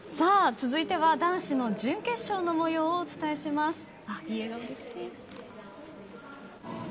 続いては男子の準決勝の模様をお伝えします。